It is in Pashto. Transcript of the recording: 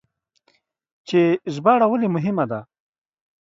چې ژباړه ولې مهمه ده؟